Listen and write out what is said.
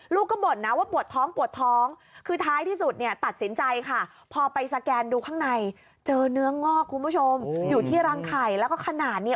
ลูกก็บ่นนะว่าปวดท้องปวดท้องคือท้ายที่สุดตัดสินใจค่ะพอไปสแกนดูข้างในเจอเนื้องอกคุณผู้ชมอยู่ที่รังไข่แล้วก็ขนาด